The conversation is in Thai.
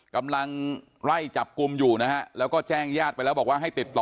กำลังไล่จับกลุ่มอยู่นะฮะแล้วก็แจ้งญาติไปแล้วบอกว่าให้ติดต่อ